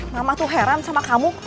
mama tuh heran sama kamu